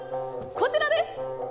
こちらです。